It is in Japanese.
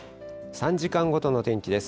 ３時間ごとの天気です。